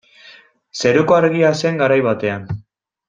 Zeruko Argia zen garai batean.